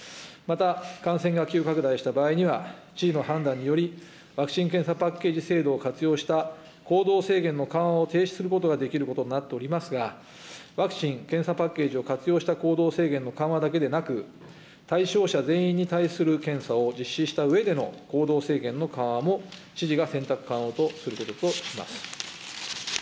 また、感染が急拡大した場合には、知事の判断によりワクチン・検査パッケージ制度を活用した、行動制限の緩和を停止することができることになっておりますが、ワクチン・検査パッケージを活用した行動制限の緩和だけでなく、対象者全員に対する検査を実施したうえでの行動制限の緩和も、知事が選択可能とすることとします。